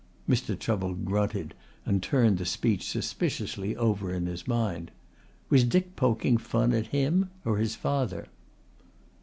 Mr. Chubble grunted and turned the speech suspiciously over in his mind. Was Dick poking fun at him or at his father?